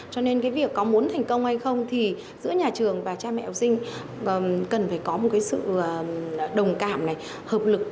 cho nên cái việc có muốn thành công hay không thì giữa nhà trường và cha mẹ học sinh cần phải có một cái sự đồng cảm hợp lực